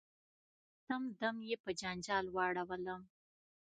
سم دم یې په جنجال واړولم .